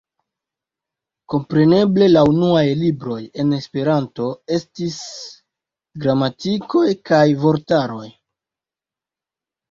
Kompreneble la unuaj libroj en Esperanto estis gramatikoj kaj vortaroj.